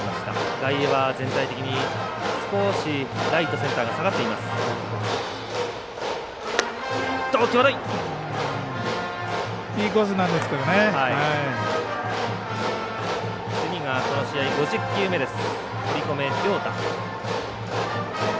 外野は全体的に少しライト、センターが下がっています。